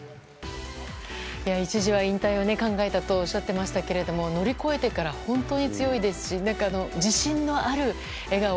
一時は引退を考えたとおっしゃっていましたが乗り越えてから本当に強いですし自信のある笑顔